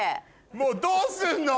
もうどうすんの？